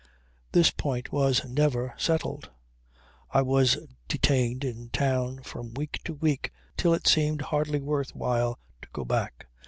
This point was never settled. I was detained in town from week to week till it seemed hardly worth while to go back.